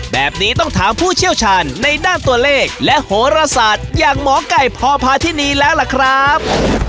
แบบนี้ต้องถามผู้เชี่ยวชาญในด้านตัวเลขและโหรศาสตร์อย่างหมอไก่พพาธินีแล้วล่ะครับ